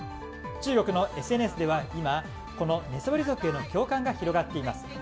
中国のＳＮＳでは今、この寝そべり族への共感が広がっています。